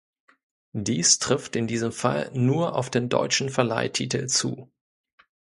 Dies trifft in diesem Fall nur auf den deutschen Verleihtitel zu.